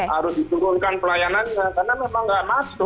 tapi harus disuruhkan pelayanannya karena memang nggak masuk